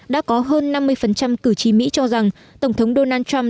đã có hơn năm mươi cử tri mỹ cho rằng tổng thống donald trump